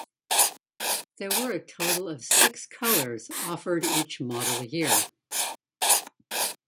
There were a total of six colors offered each model year.